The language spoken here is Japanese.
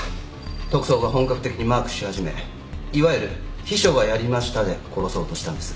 特捜が本格的にマークし始めいわゆる「秘書がやりました」で殺そうとしたんです。